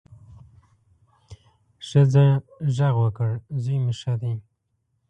ښځه غږ وکړ، زوی مې ښه دی.